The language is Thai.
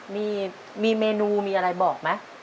มีเมนูมีอะไรบอกไหม